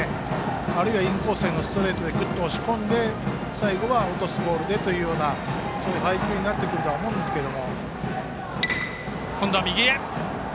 あるいはインコースへのストレートでグッと押し込んで最後は落とすボールでという配球になってくると思うんですけど。